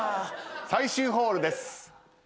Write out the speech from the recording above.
最終ホールです。